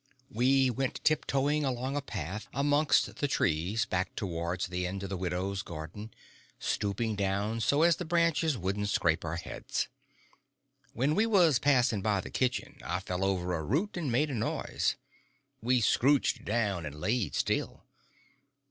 We went tiptoeing along a path amongst the trees back towards the end of the widow's garden, stooping down so as the branches wouldn't scrape our heads. When we was passing by the kitchen I fell over a root and made a noise. We scrouched down and laid still.